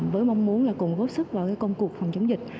với mong muốn là cùng góp sức vào công cuộc phòng chống dịch